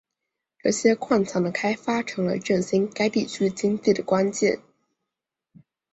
这些矿藏的开发成了振兴该地区经济的关键。